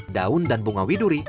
daun dan bunga widuri